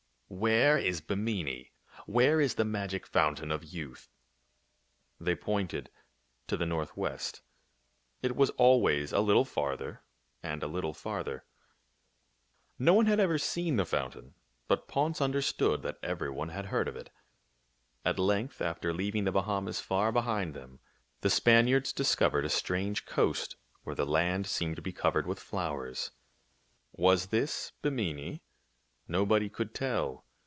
" Where is Bimini ? Where is the magic foun tain of youth ?" They pointed to the northwest. It was always a little farther and a little farther. No one had THE FOUNTAIN OF YOUTH 2/ ever seen the fountain, but Ponce understood that every one had heard of it. At length, after leaving the Bahamas far behind them, the Spaniards discovered a strange coast where the land seemed to be covered with flowers. Was this Bimini ? Nobody could tell.